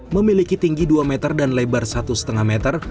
memiliki tinggi dua meter dan lebar satu lima meter